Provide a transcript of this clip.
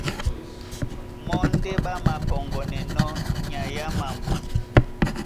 Mɔ́ ndé ɓá māpɔŋgɔnɛnɔ́ nyay á mambo.